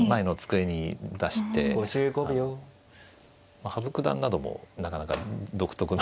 まあ羽生九段などもなかなか独特な。